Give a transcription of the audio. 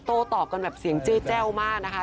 ออกกันแบบเสียงเจ้ามากนะคะ